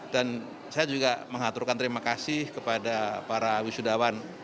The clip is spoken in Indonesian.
dan saya juga mengaturkan terima kasih kepada para wisudawan